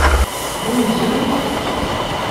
Ɣunzan-t?